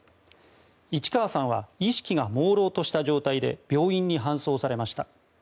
市川さんは意識がもうろうとした状態で病院に搬送されました。